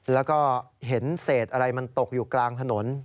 แล้วก็เห็นเศษอะไรมันตกอยู่กลางถนน